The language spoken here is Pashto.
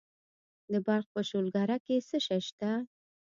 د بلخ په شولګره کې څه شی شته؟